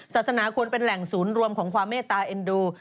ศาสนาควรเป็นแหล่งศูนย์รวมของความเมตตาเอ็นดู